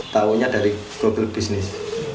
tahunya dari global business